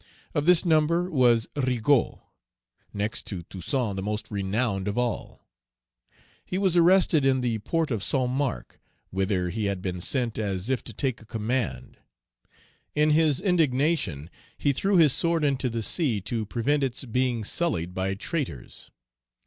Of this number was Rigaud, next to Toussaint the most renowned of all. He was arrested in the port of Saint Marc, whither he had been sent as if to take a command. In his indignation, he threw his sword into the sea to prevent its being sullied by traitors.